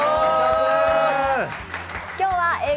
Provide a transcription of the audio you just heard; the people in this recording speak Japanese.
今日はＡぇ！